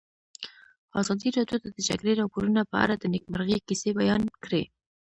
ازادي راډیو د د جګړې راپورونه په اړه د نېکمرغۍ کیسې بیان کړې.